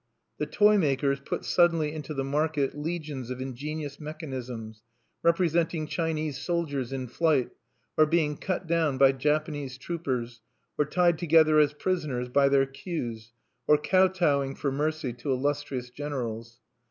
The toy makers put suddenly into the market legions of ingenious mechanisms, representing Chinese soldiers in flight, or being cut down by Japanese troopers, or tied together as prisoners by their queues, or kowtowing for mercy to illustrious generals.